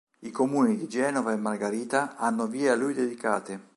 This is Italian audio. I Comuni di Genova e Margarita hanno vie a lui dedicate.